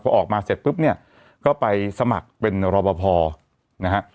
พอออกมาเสร็จปุ๊บเนี่ยก็ไปสมัครเป็นรอปภนะฮะ